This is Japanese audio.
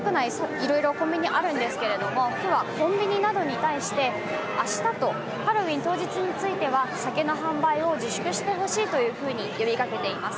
いろいろコンビニあるんですけれども区はコンビニなどに対して、明日とハロウィーン当日については酒の販売を自粛してほしいというふうに呼びかけています。